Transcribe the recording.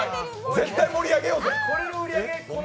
絶対盛り上げようぜ。